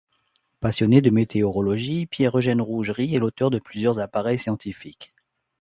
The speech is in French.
Passionné de météorologie, Pierre-Eugène Rougerie est l'auteur de plusieurs appareils scientifiques.